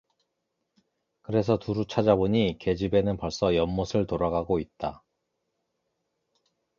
그래서 두루 찾아보니 계집애는 벌써 연못를 돌아가고 있다.